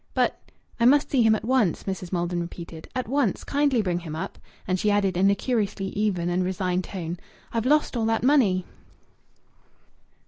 "But " "I must see him at once," Mrs. Maldon repeated. "At once. Kindly bring him up." And she added, in a curiously even and resigned tone, "I've lost all that money!"